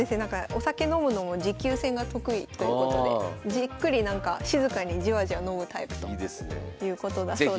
お酒飲むのも持久戦が得意ということでじっくり静かにじわじわ飲むタイプということだそうです。